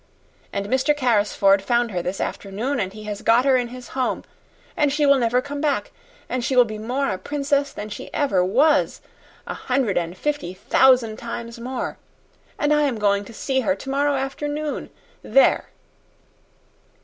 And Mr. Carrisford found her this afternoon, and he has got her in his home and she will never come back and she will be more a princess than she ever was a hundred and fifty thousand times more. And I am going to see her tomorrow afternoon. There!"